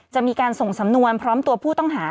จะมีการส่งสำนวนพร้อมตัวผู้ต้องหา